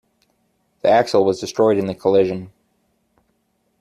The axle was destroyed in the collision.